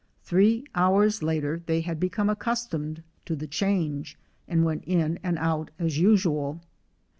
Three hours later they had become accustomed to the change, and went in and out as usual.